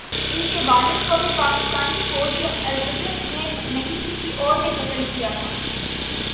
ان کے والد کو بھی پاکستانی فوج یا البدر نے نہیں، کسی اور نے قتل کیا تھا۔